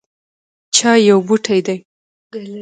چای یو بوټی دی